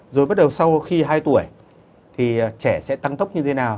rồi bắt đầu sau khi hai tuổi thì trẻ sẽ tăng tốc như thế nào